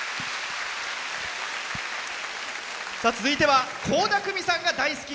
続いては倖田來未さんが大好き。